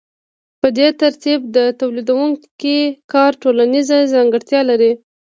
په دې ترتیب د تولیدونکي کار ټولنیزه ځانګړتیا لري